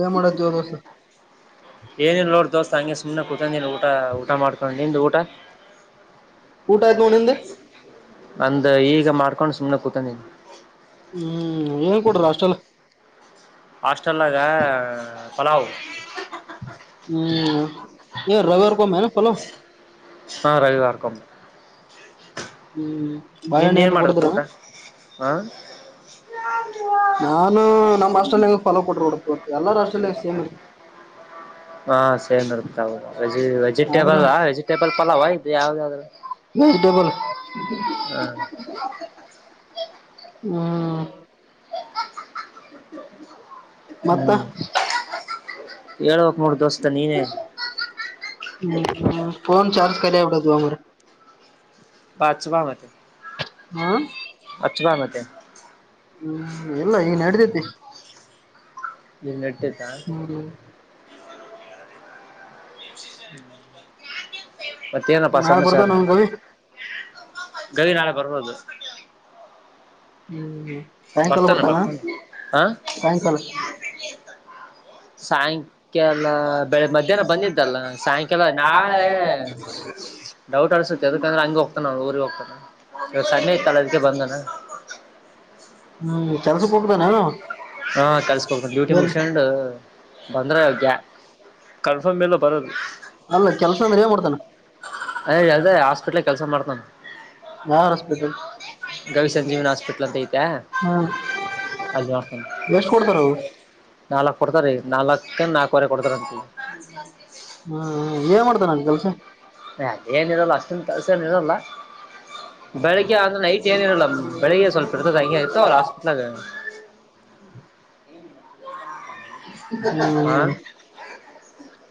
ಯ ಮಾಡ ದ ಏನಿಲ್ಲ ನೋರ್ ದೋಸ್ತತ್ ಹಂಗೆ ಸುಮ್ಮನೆ ಕುೂತೊಂಡಿಲ್ಲ ಊಟ ಊಟ ಮಾಡ್ಕೊಂಡು ನಿಂದು ಊಟ ಊಟ ಆಯ್ತ್ ನೋಡ್ ನಿಂದು ಅಂದ ಈಗ ಮಾಡ್ಕೊಂಡ್ ಸುಮ್ನೆ ಕೂತೊಂಡಿ ಹ್ಮ್ ಏನ್ ಕೊಡ್ರ ಅಷ್ಟಲ್ಲ ಹಾಸ್ಟಲ್ ಲಗ ಪಲಾವ್ ಹ್ಮ್ ಯ ರವಿವಾರ ಕಮ ನ ಪಲೋ ನಾ ರವಿದಾರ್ಕ ಹ್ಮ್ ಭಯ ನಿಂದ್ ನೀನು ಏನ್ ಮಾಡದಪ್ಪ ಕೊಡತರ ಊಟ ಹಾ ನಾನು ನಮ್ ಆಸ್ಟ್ರಲ್ಯಾಗ ಫಾಲೋ ಕೊಡ್ರಿ ಡ ಎಲ್ಲಾರ ರಾಸಲ್ಯ ಸೇಮ್ ಇರ್ತ ಹಾ ಸೇನರುತ ತ ಆದ್ರ ವೆಜಿಟಬಲ್ ಹ ವೆಜಿಟಬಲ್ ಪಲಾವ ಹ ಹ್ಮ ಹ್ಮ್ ಹೇಳು ಹ್ಮ ಫೋನ್ ಚಾರ್ಜ ಕ ಅವಡದುು ಅಮರ ಬಚವಾ ಮ ಹಾ ಅಚವಾ ಮ ಹ್ಮ್ ಎಲ್ಲ ಈನ್ ನಡದೈತಿ ನೀ ನೆಟ್ಟದಾ ಮತ್ತೆನ ನಾಳೆ ಪಸಂದ ಸಾರ ಬರ್ತಾನ ನಮ್ ಗವಿ ಗವಿ ನಾಳೆ ಬರ್ಬೋದು ಹ್ಮ್ ಸಾಯಂಕಾಲ ಬರ್ತಾನ ಹಾ ಸಾಯಂಕಾಲ ಹೌ ಸಾಯಂಕಾಲಾಲ ಬೆಳಗ್ ಮಧ್ಯಾಹ್ನ ಬಂದಿದ್ದಲ್ಲ ಸಾಯಂಕಾಲ ನಾಳೆ ಡೌಟ್ ಅನ್ಸುತ್ತೆ ಯದಕಂದ್ರೆ ಹಂಗಗೆ ಹೋಗ್ತಾನ ಊರಿಗೆ ಹೋಗ್ತಾನ ಇಾಗ ಸಣ್ಣೆ ಇತ್ತಲ್ಲ ಅದಕ್ಕೆ ಬಂದಾನ ಹ್ಮ್ ಕೆಲ್ಸಕ್ ಹೋಗ್ತಾನೇನೋ ಹಾ ಕಲ್ಸಕಡ್ತ ಬ್ಯೂಟಿ ಏನ್ ಮಷಂಡ್ ಬಂದ್ರೆ ಅಕ ಕನ್ಫರ್ಮ್ ಇ ಲ್ಲ ಬರದು ಅಲ್ಲ ಕೆಲ್ಸ ಅಂದ್ರೆ ಏನ್ ಮಾಡ್ತಾನ ಯ ಅದ ಹಾಸ್ಪಿಟ್ಲ್ ಕೆಲ್ಸ ಮಾಡ್ತಾನ ಯಾವ ಹಾಸ್ಪಿಟಲ್ ಗವಿ ಸಂಜೀವನ ಹಾಸ್ಪಿಟ್ಲ್ ಅಂತ ಐತೆ ಹ್ಮ್ ಅಲ್ಲಿ ಮಾಡ್ತಾನೆ ಎಷ್ಟ್ ಕೊಡ್ತಾರ ಅವು ನಾಲ್ಕು ಕೊಡ್ತಾರೀ ನಾಲ್ಕಂದ ನಾಲ್ಕುವರೆ ಕೊಡ್ತಾರಂತ ಹ್ಮ್ ಏನ್ ಮಾಡ್ತೇನೆ ಅಲಿ ಕೆಲ್ಸ ಏನಿರಲ್ಲ ಅಷ್ಟಂದು ಕೆಲಸನ ಇರೋಲ್ಲ ಬೆಳಿಗ್ಗೆ ಅಂದರೆ ನೈಟ್ ಏನಿರೋಲ್ಲ ಬೆಳಿಗ್ಗೆ ಸ್ವಲ್ಪ ಇರ್ತದ ಹಂಗೆ ಇರ್ತಾವ ಹಾಸ್ಟಲ್ ಆದ ಹ್ಮ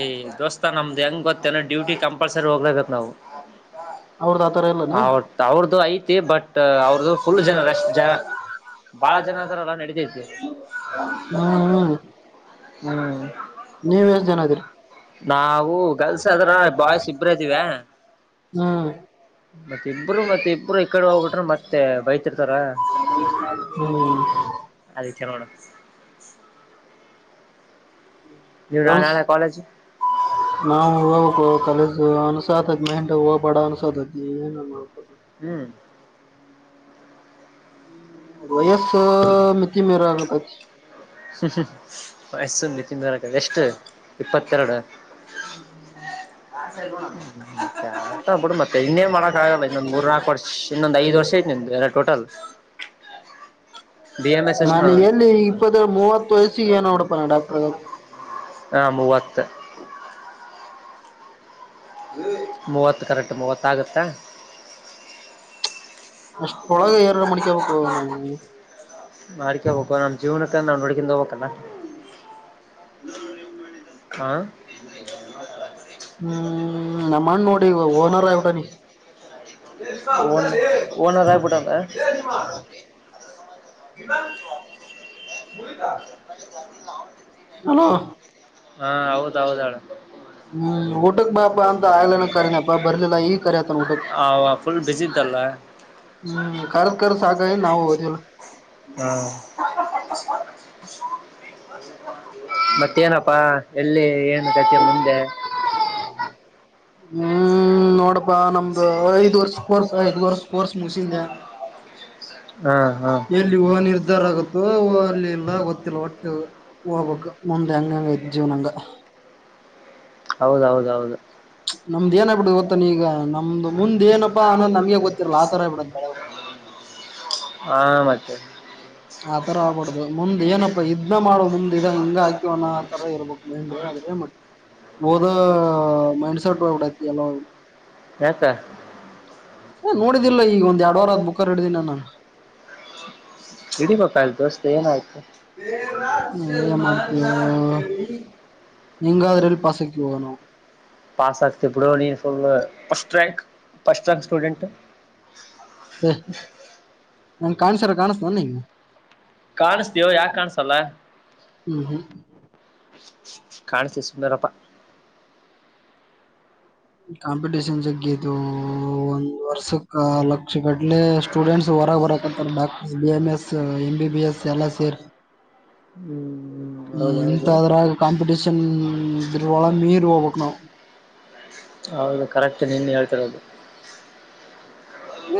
ಏ ದೋಸ್ತ ನಮ್ದು ಹೆಂಗ್ ಗೊತ್ತೇನ ಡ್ಯೂಟಿ ಕಂಪಲ್ಸರಿ ಹೋಗ ಒಲ್ಲಾಬೇಕು ನಾವು ಅವ್ರದ ಆತರ ಎಲ್ಲಾನ ಅವತ್ ಅವ್ರದುು ಐತಿ ಬಟ್ ಅವ್ರದದುು ಫುಲ್ ಜನಷ್ಟ ಜನ ಬಾಳ ಜನದರಲ್ಲ ನಡತೈತಿ ಹ್ಮ್ ಹ್ಮ್ ಹ್ಮ್ ನೀವ್ ಎಷ್ಟ್ ಜನ ಇದೀರಿ ನಾವು ಗರ್ಲ್ಸ್ ಆದದ್ರ ಬಾಯ್ಸ್ ಇಬ್ರ ಇದ್ದೀವ ಹ್ಮ ಮತ್ತೆ ಇಬ್ರು ಈ ಕಡೆ ಹೋಗ್ಬಿಟ್ರೆ ಮತ್ತೆ ಬೈತಿರ್ತಾರ ಹ್ಮ [unintelligible] ನೀ ನ ಕೆಲ್ಸ ನಾಳೆ ಕಾಲೇಜ್ ನಾವು ಹವುಕ ಕಲಸು ಅನಸಾದದ ಮೆಹಂಡ ಹೋಗಬಾಡ ಅನಸೋದ್ದ ಏನು ಮಾಡ ಹ್ಮ್ ವಯಸ ಮಿತಿ ಮೇರ ಅತಾಜ ಎಸ್ಸು ನಿತಿನ್ ಬರಕ ಎಷ್ಟು ಇಪ್ಪತ್ತೆರಡು ಹ್ಮ ಹಾಂ ಸರಿ [unintelligible] ಮಾಡಕ್ ಆಗಲ್ಲ ಇನ್ನೊಂದ್ ಮೂರ್ ಹ ನಾಲ್ಕು ವರ್ಷ ಇನ್ನೊಂದ್ ಐದ್ ವರ್ಷ ಐತ್ ನಿಮ್ದು ಎಲ್ಲ ಟೋಟಲ್ [inaudible] ಬಿ ಎಂ ಎಸ್ ನಾನು ಎಷ್ಟ ಎಲ್ಲಿ ಇಪ್ಪತ್ತರಡು ಮೂವತ್ತು ವಯಸ್ಸಿಗೆ ಏನ್ ನೋಡಪನಾ ಡಾಕ್ಟರ್ಗ ಹಾ ಮೂವತ್ತು ಮೂವತ್ತು ಕರೆಕ್ಟ್ ಮೂವತ್ತ ಆಗುತ್ತಾ ಅಷ್ಟೊಳಗ ಏನಾರ ಮಡ್ಕಬೇಕು ನಾವು ಮಾಡ್ಕೋಬೇಕು ನಮ್ ಜೀವನ ನಾವು ನೋಡ್ಕೊಂಡ ಹೋಗಬೇಕು ಅಲಾ ಹಾಂ ಹ್ಮ್ ನಮ್ಮಣ ನೋಡಿ ಓನರ್ ಆಯಬಟಾನಿ ಓನ್ ಊಟ ಓನರ್ ಆಗ್ಬಿಟ್ಟದ [unintelligible] [inaudible] ಹಲೋ ಹಾ ಹೌದ ಹೌದ ಹೇಳ ಹ್ಮ್ ಊಟಕ್ ಬಾಪಾ ಅಂತ ಆಗ್ಲೇನ ಕರನಪ್ಪ ಬರ್ಲಿಲ್ಲ ಈಗ ಕರತನ್ ಊಟಕ್ ಆಲ [inaudible] ಬಿಜಿ ತ [inaudible] ಹ್ಮ್ ಕರ್ದ್ ಕರ್ ಸಾಕಾಗಿ ನಾವು ಓದಿಲ್ಲ ಹ್ಮ ಮತ್ತೇನಪ್ಪಾ ಎಲ್ಲಿ ಏನುತತಿ ಮುಂದೆ ಹ್ಮ್ ನೋಡಪ್ಪಾ ನಮ್ದು ಐದ್ ವರ್ಷ ಕೋರ್ಸ್ ಐದ್ ವರ್ಷ ಕೋರ್ಸ್ ಮುಸಿಂದೆ ಹಾ ಹಾ ಎಲ್ಲಿ ಹೂಹ ನಿರ್ಧಾರ ಆಗುತ್ತೋ ಹ ಅಲ್ಲಿ ಎಲ್ಲ ಗೊತ್ತಿಲ್ಲ ಒಟ್ಟು ಹೋಗಬೆಕು ಮುಂದೆ ಹಂಗ ಹಂಗ ಐತ್ ಜೀವನ ಹಂಗ ಹೌದೌದ ಹೌದು ನಮ್ದ ಏನ ಆಗಬಿಟ್ಟದ ಗೊತ್ತಾನ ಈಗ ನಮ್ದ ಮುಂದನೇಪ್ಪಾ ಅನ್ನೋದು ನಮ್ಗೆ ಗೊತ್ತಿರ್ಲ ಆ ತರ ಆಗ್ಬಿಡದ್ ಬೆಳೆ [inaudible] ಹಾ ಮತ್ತೆ ಆತರ ಆಗ್ಬಾರ್ದು ಮುಂದ್ ಏನಪ್ಪಾ ಇದ್ನ ಮಾಡುವ ಮುಂದ್ ಇದ ಹಿಂಗ ಹಾಕಿವವನ ಆ ತರ ಇರ್ಬಕ್ ಮೈಂಡ್ ಆದ್ರೆ ಮ ಓದ ಮೈಂಡಂಸೆಟ್ಟ ಹೋಗ ಬಿಟ್ಟತಿ ಎಲ್ಲ ಯಾಕ ನೋಡಿದ್ದಿಲ್ಲ ಈಗ ಒಂದ್ ಎರಡು ವಾರ ಆದ ಬುಕ್ಕಾರ್ ಹಿಡಿದಿನಿ ನಾನು ಇಡೀ ಪಾಪಾ ಅಲ್ ದೋಸ್ತ ಏನಾಯ್ತು [inaudible] ಏನ್ ಮಾಡ್ತೀಯೋ ಹಿಂಗಾದ್ರೆ ಎಲ್ ಪಾಸ್ ಆಕ್ಕಿವೋ ನಾವು ಪಾಸ ಆಗತಿ ಬಿಡೋ ನೀ ಲ್ first rank first rank student ಹ ನಂ ಕಾಣಸಾರ ಕಾಣಸ್ತ ನೀಂಗ ಕಾಣಸತೀಯೂ ಯಾಕ ಕಾಣಸಲ್ಲ ಹ್ಮ್ ಹ್ಮ್ ಕಾಣಸ ಸುಂದರಪ್ಪ ಕಾಂಪಿಟಿಷನ್ ಜಗ್ಗ ಇದು ಒಂದ ವರ್ಷಕ್ಕಾಲಕ್ಕ ಲಕ್ಷ ಗಟ್ಟಲೆ ಸ್ಟೂಡೆಂಟ್ಸ್ ಹೊರ ಹೊರಕ್ತ doctors B M S M B B S ಎಲ್ಲ ಸೇರ್ ಹ್ಮ್ ಹೌದೌದು ಇಂತದ್ರಾಗ ಕಾಂಪಿಟೀಷನ್ ಇದರವಳ ಮೀರ್ ಹೋಗ್ಬಕ್ ನಾವ ಹೌದು ಕರೆಕ್ಟ್ ನಿನ್ನ ಹೇಳ್ತರದು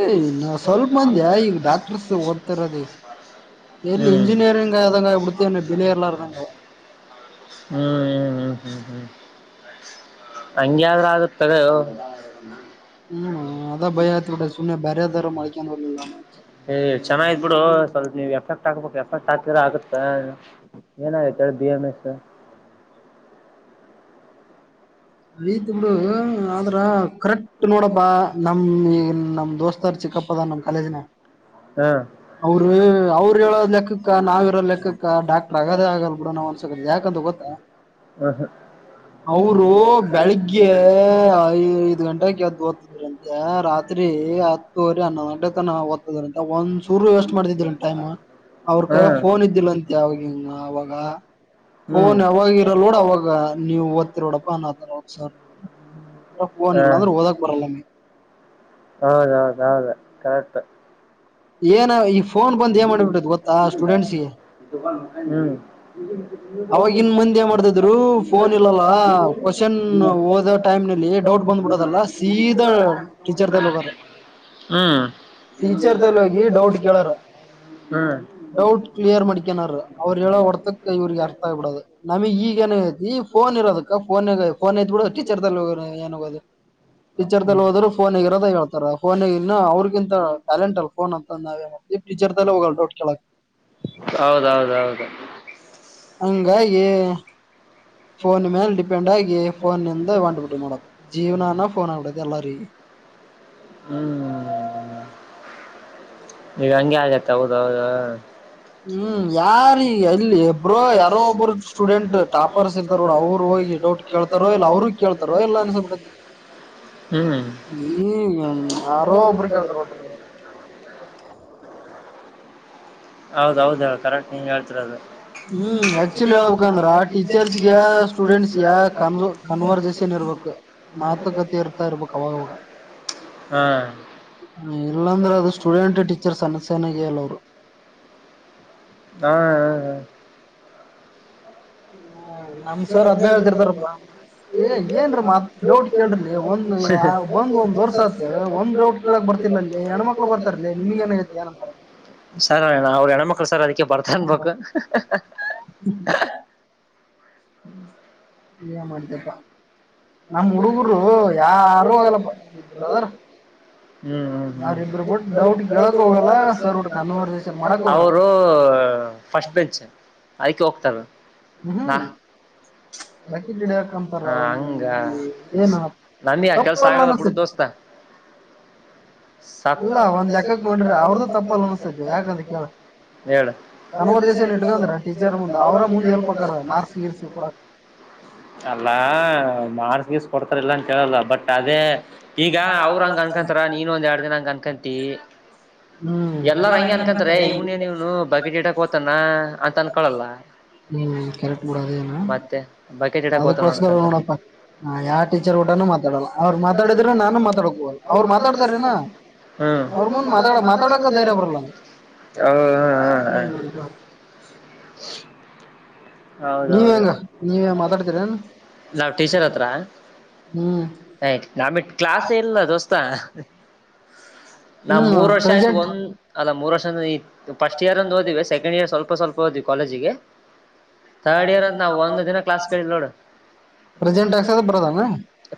ಏ ಇನ್ನ ಹ್ಮ್ ಸ್ವಲ್ಪ ಹ್ಮ್ ಮಂದಿ ಈಗ ಡಾಕ್ಟರ್ಸ್ ಓದ್ತಿರೋದ್ ಈಗ ಎಲ್ಲಿ ಇಂಜಿನಿಯರಿಂಗ್ ಆದಂಗ ಆಗ್ಬಿಡ್ತೇನ ಬೆಲೆ ಇರ್ಲಾರ್ದಂಗ ಹ್ಮ್ ಹ್ಮ್ ಹ್ಮ್ ಹ್ಮ್ ಹಂಗ್ಯಾದ್ರೂ ಆಗತದ ಹ್ಮ್ ಅದ ಭಯ ಆತ ಬಿಡು ಸುಮ್ಮನೆ ಬರೆ ತರ ಮಳಿಕರಲಿಲ್ಲ ಏ ಚನ್ನಾಗ ಇದ್ ಬಿಡು ಸ್ವಲ್ಪ ನೀವ್ ಎಫರ್ಟ್ ಹಾಕ್ಬೇಕು ಎಫರ್ಟ್ ಹಾತರ ಆಗುತ್ತ ಏನ ಚರ್ದ ಮಸ [inaudible] [inaudible] ಐತ್ ಬಿಡು ಆದ್ರ ಕರೆಕ್ಟ್ ನೋಡಬಾ ನಮ ಈ ನಮ್ ದೋಸ್ತಾರ್ ಚಿ ಪ್ಪ ಕಾಲೇಜಿನ ಹಾ ಅವರು ಅವ್ರ ಹೇಳೋದ್ ಲೆಕ್ಕಕ್ಕ ನಾವು ಇರೋ ಲೆಕ್ಕಕ್ಕ ಡಾಕ್ಟರ್ ಆಗದೇ ಆಗಲ್ ಬಿೂಡ ನಮ ಸ ಯಾಕಂತ ಗೊತ್ತಾ ಹ್ಮ ಹಾ ಅವರು ಬೆಳಿಗ್ಗೆ ಐದು ಗಂಟೆಗೆದು ಓದ್ತದ್ರಂತೆ ರಾತ್ರಿ ಹತ್ತೂುವರೆ ನ ಅಂಡ ತನ ಓದ್ತದ ಅಂತ ಒಂದ್ ಚೂರು ವೇಸ್ಟ್ ಮಾಡತಿದಿಲ್ಲ ಟೈಮ್ ಅವರ ಕೈಯ್ಯ ಫೋನ್ ಇದ್ದಿಲ್ಲ ಅಂತೆ ಅವಾಗಂಗ ಅವಾಗ ಹ್ಮ್ ಫೋನ್ ಯಾವಾಗ ಇರಲ್ ನೋಡ ಅವಾಗ ನೀವು ಓದ್ತಿರೋಡಪ್ಪಾ ಅನ್ನತರ ಹಾ ಸರ್ನ್ಿಲ್ಲ ಅಂದ್ರೆ ಹಓದಕ್ ಬರಲ್ಲ ಮೇ ಹೌದೌದೌದು ಕರೆಕ್ಟ್ ಇ ಏನ ಈ ಫೋನ್ ಬಂದ್ ಏನ್ ಮಾಡ್ಬಿಟ್ಟೈತ್ ಗೊತ್ತಾ ಸ್ಟೂಡೆಂಟ್ಸ್ಗೆ [unintelligible] ಅವಾಗಿನ್ ಮಂದ ಮಾಡತಿದ್ರು ಫೋನ್ ಇಲ್ಲಲ್ಲ ಕ್ವಶನ್ ಓದೋ ಟೈಮ್ ನಲ್ಲಿ ಡ ಬಂದ್ಬಿಡೋದಲ್ಲ ಸೀದಾ ರ್ಲ್ಲಿ ಹೋಗ ಟೀಚರ್ಲ್ಲಿ ಹೋಗಿ ಡೌಟ್ ಕೇಳಾರ ಹ್ಮ್ ಡೌಟ್ ಕ್ಲಿಯರ್ ಮಾಡಿಕನಾರ ಅವ್ರು ಹೇಳೋ ವರ್ತಕ್ಕ ಇವ್ರಿಗೆ ಯ ಬ ಬಿಡೋದು ನಮಗ್ ಈಗ ಏನ್ ಐತಿ ಫೋನ್ ಇರೋದಕ್ಕ ಫೋನ್ ಫೋನ್ ಐತ್ ಬಿಡ ಅಷ್ಟಿ ಚಿರ್ದಲ್ಲಿ ಏನ ಹೋಗೋದು ಟೀಚರ್ಲ್ಲಿ ಹೋದ್ರುಫೋನಗ ಇರೋದೇತಾರ ಫೋಗ ಇನ್ನು ಅವ್ರಗಿಂತ ಟಾಲೆಂಟ್ ಅಲ್ ಫೋನ್ ಅಂತಂದಾವೆ ಹೌದೌದ್ೌದು ಹಂಗಾಗಿ ಫೋನ್ ಮೇಲೆ ಡಿಪೆಂಡ್ ಆಗಿ ಫೋನ್ಂದ ಬಂಡ್ಬುಟ್ಟಿ ಮಾಡಬೇಕ ಜೀವನಾನ ಫೋನ್ ಆಗ್ಬಡದು ಎಲ್ಲಾರಗ [unintelligible] ಹ್ಮ್ ನೀಗ ಹಂಗೆ ಆಗತ್ತ ಹೌದ ಹೌದ ಹ್ಮ್ ಯಾರಗ ಅಲ್ಲಿ ಇಬ್ರೋ ಯಾರೋ ಒಬ್ಬರು ಸ್ಟೂಡೆಂಟ್ ಟಾಪರ್ಸ್ ಇರ್ತ ಡ ಅವ್ರು ಹೋಗಿ ಡೌಟ್ ಕೇಳ್ತಾರೋ ಇಲ್ಲ ಅವ್ರರು ಕೇಳ್ತಾರೋ ಇಲ್ಲ ಅಸ್ರತಿ ಹ್ಮ್ ಯಾರೋ ಒಬ್ಬರು ಕೇಳ್ತಾರ ನೋಡ್ಬ ಹೌದ ಹೌದ ಕರೆಕ್ಟ್ ನೀ ಹೇಳ್ತಿರ ಅದು ಹ್ಮ್ ಆಕ್ಚುಲಿ ಹೇಳ್ಬೇಕಂದ್ರ ಟೀಚರ್ಸ್ಗೆ ಸ್ಟೂಡೆಂಟ್ಸ್ಗೆ ಕನ್ ಕನ್ವರ್ಜಷನ್ ನಿರ್ವಕ ನತ್ತ ಇಲ್ಲಾಂದ್ರೆ ಅದು ಸ್ಟೂಡೆಂಟ್ ಟೀಚರ್ಸ್ ಅನಸನಾಗ ಹೇಳಲ್ಲ ಅವರು ಹಾ ಹಾ ಹ ಹ ನಮ್ ಸೋರ್ ಹದನ ಹೇಳ್ತಿರ್ತಾರಪ್ಪಾ ಇ ಏನ್ರೀ ಮತ್ ಡೌಟ್ ಕೇಳ್ರಿ ಒಂದ್ ಬಂದ್ ಒಂದ್ ವರ್ಷ ಆತ್ ಒಂದ್ ಡೌಟ್ ಕೇಳಕ್ ಬ ಬರ್ತಿಲ್ಲ ಅಲ್ಲಿ ಹೆಣ್ಮ ಮಕ್ಳು ಬರ್ತರ್ಲಿ ನಿಮ್ಗ ನಐತಿ ಏನಂತಾರೆ ಸರ್ಣ ಅವರು ಹೆಣಮಕ್ಳು ಸರ್ ಅದಕ್ಕೆ ಬರ್ತ ಅನ್ಬೇಕು ಹ್ಮ್ ಯ ಮಾಡ್ತಪ್ಪಾ ನರು ಅರ ಹೋಗಲ್ಲಪ್ಪ ಬ್ರದರ್ [unintelligible] ಹ್ಮ್ ಹ್ಮ್ ಅವ್ರಿಬ್ರು ಹ್ಮ್ ಬಿಟ್ ಡೌಟ್ ಕೇಳಕ್ ಹೋಗಲ್ಲ ಸರ್ ಬಿಟ್ ಕನ್ವರ್ಸೇಷನ್ ಮಾಡಕ್ ಹೋಗಲ್ಲ ಅವರು ಫಸ್ಟ್ ಬೆಂಚ್ ಅದ್ಕ್ ಹೋಗ್ತಾರೆ ಹಹ ಬಕಿಟ್ಡ ಹಾಕಂತಾರ ಹ ಅವ ಹಂಗ ಏನ ನಮಗೆ ಆ ಕೆಲ್ಸ ತಪ್ಪಲ್ಲ ಆಗಲ್ಲ ಅನಸ ಬಿಡು [unintelligible] ಸ ಲೆಕ್ಕಕ್ ಅವ ನೋಡ್ರಿ ಅವ ಅವ್ರದ್ದು ತಪ್ಪಲ್ಲ ತಪ್ಪ ಅನಸ್ತೈತಿ ಯಾಕಂದ್ರೆ ಕೇಳ ಹೇಳ ದಿವಸ ಕನ್ವರ್ಜೇಷನ್ ಇ ಇಟ್ಕಂದ್ರ ಟೀಚರ್ ಮುಂದ ಅವ್ರ ಮುಂದ್ ಹೆಲ್ಪ್ ಆಕಾರ [unintelligible] ಮಾರ್ಕ್ಸ್ ಗೀರ್ಸ್ ಕೊಡಾಕ್ ಅಲ್ಲ ಮಾಡಸ್ ಗೀಸ್ ಕೊಡ್ತಾರಲ್ಲ ಅಂತ ಹೇಳೇಳಲ್ಲ ಬಟ್ ಅದೇ ಈಗ ಅವ್ರ ಹಂಗಗೆ ಅನ್ಕೊಂತರಾರ ನೀನ್ಂದ ಎರಡ್ ದಿನಂಗ ಅನ್ಕೊ ಹ್ಮ್ ಎಲ್ಲಾರ ಹಂಗಗೆ ಅನ್ಕೊಂತಾರೆ ಇವ್ನ ಏನ್ ಇವ್ನು ಬಗೆಟ್ ಟಕತಾನ ಅಂತ ಅನ್ಕೊಳ್ಳಲ್ಲ ಹ್ಮ್ ಕರೆಕ್ಟ್ ಬಿಡ ಅದೇನ ಮತ್ತೆ ಬಕೆಟ್ ಇಡಕ್ ಹೋತಾನ ಅನ್ಕ ಅದಕ್ಕೋಸ್ಕರ ನೋಡಪ್ಪ ಹಾ ಯಾವ ಟೀಚರ್ ಊಟನುೂ ಮಾತಾಡಲ್ಲ ಅವ್ ಮಾತಾಡಿದ್ರೆ ನಾನು ಮಾತಾಡ ಹೋಗಲ್ಲ ಅವ್ರು ಮಾತಾಡ್ತಾರೇನಾ ಹ್ಮ್ ಅವ್ರ ಮುಂದ ಮಾತಾಡ ಮಾತಾಡ ಧೈರ್ಯ ಅವ್ರಲ್ಲ ಅ ಹೌ ಹಾ ಹಾ ಹ ನೀವ್ ಹೌದೌದ ಹೆಂಗ ನೀವೇ ಮಾತಾಡ್ತೀರೇನ್ ನಾವ್ ಟೀಚರ್ ಹತ್ರ ಹ್ಮ್ ಆಯ್ತು ನಿ ಕ್ಲಾಸ್ ಇಲ್ಲಿಲ್ಲ ದೋಸ್ತ್ ನಾ ಹ್ಮ್ ಮೂರ್ ವರ್ಷ ಆಯ್ತು ಪ್ರೆಸೆಂಟ್ ಒಂದ ಅಲ್ಲ ಮೂರ್ ವರ್ಷ ಫಸ್ಟ್ ಇಯರ್ ಅಂದ ಹೋದವ ಸೆಕೆಂಡ್ ಇಯರ್ ಸ್ವಲ್ಪ ಸ್ವಲ್ಪ ಹೋದ್ವಿ ಕಾಲೇಜಿಗೆ ತಥರ್ಡ್ ಇಯರ್ ಅಂದ ನಾವು ಒಂದು ಅನ ಕ್ಲಾಸ್ ಕಿ ನೋಡ ಪ್ರೆಸೆಂಟ್ ಆಗ್ಕ್ಸದ ಬರೋದಂಗ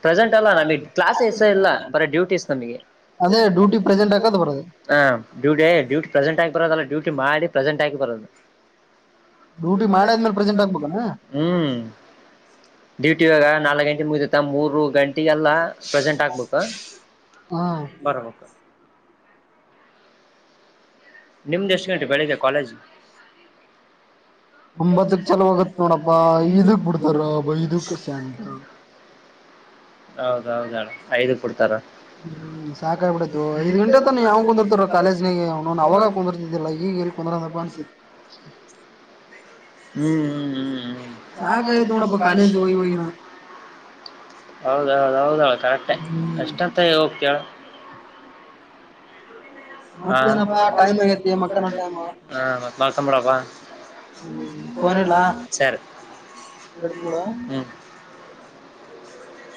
ಪ್ರೆಸೆಂಟ್ ಅಲ್ಲ ನಮಗೆ ಕ್ಲಾಸ್ ಎಸ ಇಲ್ಲ ಬರ ಡ್ಯೂಟೀಸ್ ನಮಗೆ ಅದೇ ಡೂಟಿ ಪ್ರೆಸೆಟ್ ಹಾಕದ ಬರೋದು ಹಾ ಡ್ಯೂಟಿ ಪ್ರೆಸಂಟ್ ಆಗಿ ಬರದಲ್ಲ ಡೂಟಿ ಮಾಡಿ ಪ್ರೆಸೆಟ್ ಆಗಿ ಬರೋದು ಡ್ಯೂಟಿ ಮಾಡ ಆದ್ಮೇಲೆ ಪ್ರೆಸೆಂಟ್ ಆಗ್ಬೇಕಲ್ಲ ಹ್ಮ್ ಡ್ಯೂಟಿ ಇಗ ನಾಲ್ಕು ಗಂಟೆ ಮುಗಿತತ್ತ ಮೂರು ಗಂಟೆ ಲ್ಲ ಪ್ರೆಸೆಂಟ್ ಆಗ್ಬೇಕ ಹಾ ಬರಬೇಕ ನಿಮ್ದ ಎಷ್ಟು ಗಂಟೆ ಬೆಳಿಗ್ಗೆ ಕಾಲೇಜ್ ಒಂಬತ್ತಕ್ ಚಲೋ ಆಗತ್ ನೋಡಪ್ಪಾ ಐದಕ್ ಬಿಡ್ತಾರಬ್ಬ ಐದಕ್ ಸ್ಯಾಂಟ್ ಹೌದೌದಾ ಐದು ಕೊಡ್ತಾರ ಹ್ಮ್ ಸಾಕ ಆಾಗಿಬಿಡೈತು ಐದ ಗಂಟೆ ತ ಯಾವಾಗ ಕುಂದರ್ತ ಕಾಲೇಜ್ನಿಗೆ ಅವ ಅವವಾಗ ಕುಂದಿರ್ತಿದಿಲ್ಲ ಈಗ ಕೊಂದಡದಪ್ಪನ್ಸರ್ ಹ್ಮ್ ಸಾಕಾಗೈತ್ ಹ್ಮ್ ನೋಡಪ್ಪ ಕಾಲೇಜ್ ಹೋಗಿ ಹೋಗಿ ನಾ ಹ್ಮ್ ಹ್ಮ ಹೌದೌದ ಹೌದಳ ಕರೆಕ್ಟ್ ಹ್ಮ್ ಎಷ್ಟಂತ ಹೋಗ್ತೇಳ ಹಾ ಮತ್ತೇನಪ್ಪಾ ಟೈಮ್ ಆಗೈತಿ ಮಕ್ಕನ ಟೈಮ್ ಹ ಮತ್ ಹ್ಮ್ ಫೋನ್ ಇಡ್ಲಾ [unintelligible] ಸರಿ ಇಡ್ತೀನ್ ಬಿಡು. ಹ್ಮ್